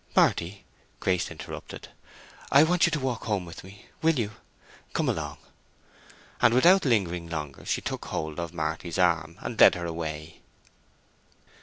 "Marty," Grace interrupted. "I want you to walk home with me—will you? Come along." And without lingering longer she took hold of Marty's arm and led her away.